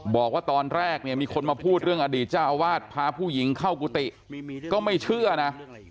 บอกว่าตอนแรกเนี่ยมีคนมาพูดเรื่องอดีตเจ้าอาวาสพาผู้หญิงเข้ากุฏิก็ไม่เชื่อนะ